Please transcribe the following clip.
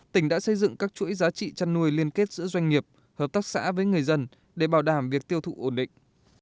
tỉnh đã xây dựng các chuỗi giá trị chăn nuôi liên kết giữa doanh nghiệp hợp tác xã với người dân để bảo đảm việc tiêu thụ ổn định